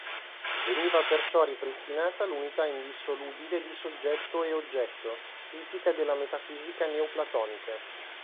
Veniva perciò ripristinata l'unità indissolubile di soggetto e oggetto tipica della metafisica neoplatonica.